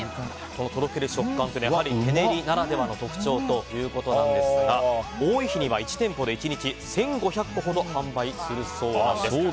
とろける食感は手練りならではの特徴ということなんですが多い日には１店舗で１日１５００個ほど販売するそうです。